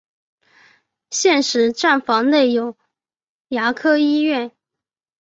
现时站房内有牙科医院。